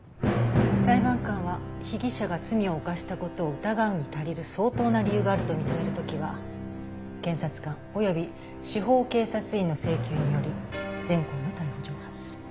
裁判官は被疑者が罪を犯した事を疑うに足りる相当な理由があると認める時は検察官及び司法警察員の請求により前項の逮捕状を発する。